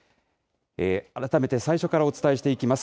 改めて最初からお伝えしていきます。